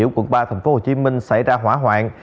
nguyễn đình chiểu quận ba tp hcm xảy ra hỏa hoạn